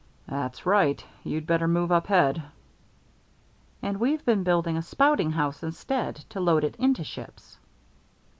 "That's right. You'd better move up head." "And we've been building a spouting house instead to load it into ships."